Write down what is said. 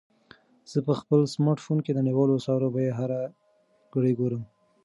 زه په خپل سمارټ فون کې د نړیوالو اسعارو بیې هره ګړۍ ګورم.